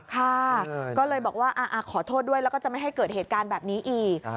ค่ะก็เลยบอกว่าขอโทษด้วยแล้วก็จะไม่ให้เกิดเหตุการณ์แบบนี้อีก